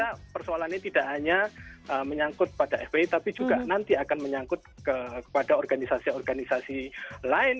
karena saya kira persoalannya tidak hanya menyangkut pada fpi tapi juga nanti akan menyangkut kepada organisasi organisasi lainnya